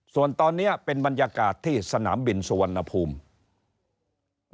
ส่วนตอนนี้เป็นบรรยากาศที่สนามบินสุวรรณภูมิ